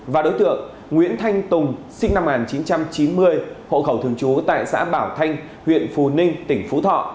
và đối tượng nguyễn thanh tùng sinh năm một nghìn chín trăm chín mươi hộ khẩu thường trú tại xã bảo thanh huyện phù ninh tỉnh phú thọ